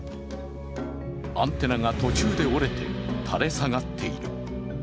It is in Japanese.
アンテナが途中で折れて、垂れ下がっている。